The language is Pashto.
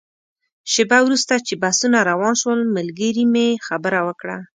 شېبه وروسته چې بسونه روان شول، ملګري مې خبره وکړه.